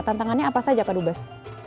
tantangannya apa saja pak dubes